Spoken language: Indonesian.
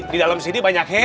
di dalam sini banyak hey